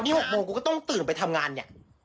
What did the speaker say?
นี่๖โมงกูก็ต้องตื่นไปทำงานเนี่ย